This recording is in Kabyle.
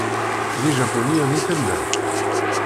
D ijapuniyen i tellam?